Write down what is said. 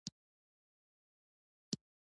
چې تاسو د کوم ځای څخه راغلي یاست